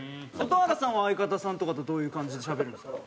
蛍原さんは相方さんとかとどういう感じでしゃべるんですか。